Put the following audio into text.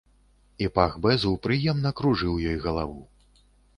І пах бэзу прыемна кружыў ёй галаву.